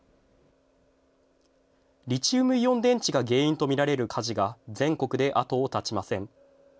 リチウムイオン電池が原因とみられる火事が全国で後を絶ちません。